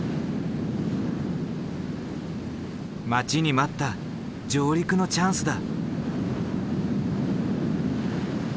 待ちに待った上陸のチャンスだ。